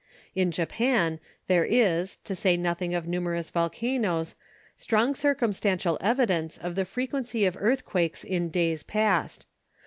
In Japan, there is, to say nothing of numerous volcanoes, strong circumstantial evidence of the frequency of earthquakes in days past.